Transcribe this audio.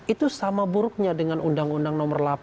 itu sama buruknya dengan undang undang nomor delapan